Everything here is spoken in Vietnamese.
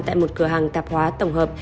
tại một cửa hàng tạp hóa tổng hợp